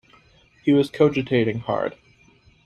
He was cogitating hard.